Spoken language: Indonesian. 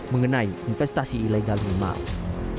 mengenai investasi ilegal di mars